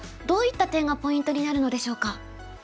どういった点がポイントになるのでしょうか。